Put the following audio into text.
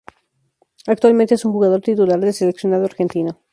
Actualmente es un jugador titular del seleccionado argentino.